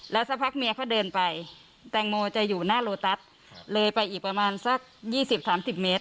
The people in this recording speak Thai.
แล้วสักพักเมียเขาเดินไปแตงโมจะอยู่หน้าโลตัสเลยไปอีกประมาณสัก๒๐๓๐เมตร